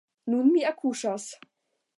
Nun mi akuŝas.